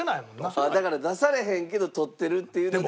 だから出されへんけど撮ってるっていうので。